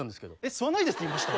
「吸わないです」って言いました？